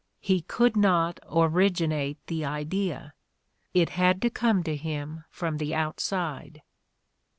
He could not originate the idea — it had to come to him from the outside."